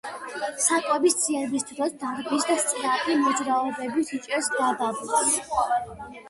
საკვების ძიების დროს დარბის და სწრაფი მოძრაობებით იჭერს ნადავლს.